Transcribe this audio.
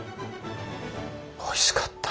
おいしかった！